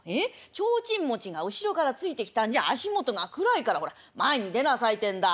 提灯持ちが後ろからついてきたんじゃ足元が暗いからほら前に出なさいてんだ」。